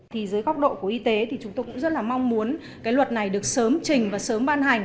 thì dưới góc độ của y tế thì chúng tôi cũng rất là mong muốn cái luật này được sớm trình và sớm ban hành